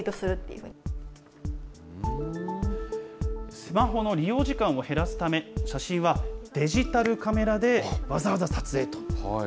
スマホの利用時間を減らすため、写真はデジタルカメラでわざわざ撮影と。